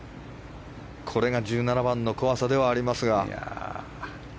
これが１７番の怖さではありますが。